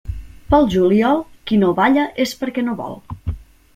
Pel juliol, qui no balla és perquè no vol.